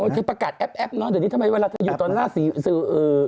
เธอประกาศแอปเนอะเดี๋ยวนี้ทำไมเวลาเธออยู่ตอนหน้าสื่อ